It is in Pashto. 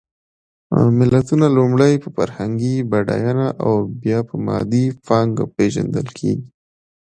ملتونه لومړی په فرهنګي بډایېنه او بیا په مادي پانګه پېژندل کېږي.